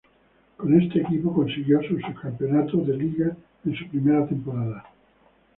Con este equipo consiguió un subcampeonato de Liga en su primera temporada.